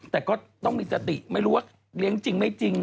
แต่ก็ต้องมีสติไม่รู้ว่าเลี้ยงจริงไม่จริง